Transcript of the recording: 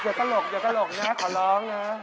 ตลกอย่าตลกนะขอร้องนะ